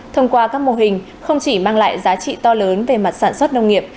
thông qua các mô hình không chỉ mang lại giá trị to lớn về mặt sản xuất nông nghiệp